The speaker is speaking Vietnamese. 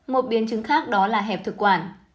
một biến chứng khác đó là hẹp thực quản